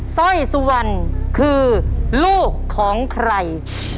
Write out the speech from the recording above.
ซอยสุวรรค์คือลูกของใคร